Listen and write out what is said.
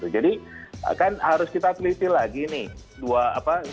jadi kan harus kita peliti lagi nih